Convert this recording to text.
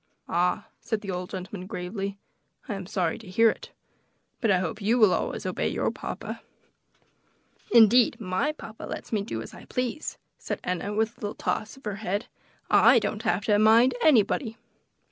"Ah!" said the old gentleman gravely, "I am sorry to hear it; but I hope you will always obey your papa." "Indeed, my papa lets me do just as I please," said Enna, with a little toss of her head. "I don't have to mind anybody."